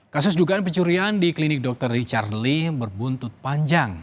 kasus dugaan pencurian di klinik dr richard lee berbuntut panjang